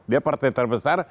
dia partai terbesar